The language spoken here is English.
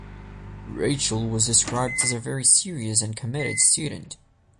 Rachel was described as a very serious and committed student.